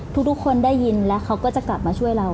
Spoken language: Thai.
ทุกคนได้ยินแล้วเขาก็จะกลับมาช่วยเรา